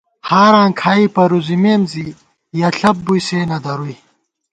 ہاراں کھائی پرُوزِمېم زی ، یَہ ݪپ بُوئی سے نہ درُوئی